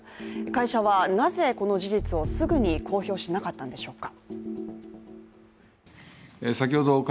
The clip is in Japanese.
会社は、なぜこの事実をすぐに公表しなかったんでしょうか。